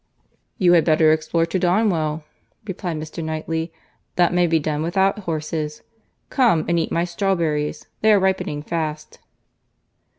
"You had better explore to Donwell," replied Mr. Knightley. "That may be done without horses. Come, and eat my strawberries. They are ripening fast."